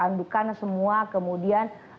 andukan semua kemudian